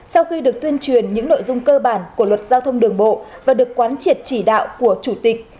sau khi được tuyên truyền những nội dung cơ bản của luật giao thông đường bộ và được quán triệt chỉ đạo của chủ tịch